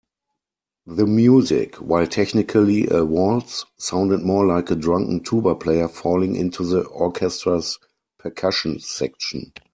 The music, while technically a waltz, sounded more like a drunken tuba player falling into the orchestra's percussion section.